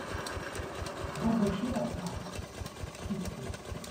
Babochet à part, crispé.